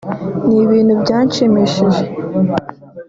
Ni bintu byanshimishije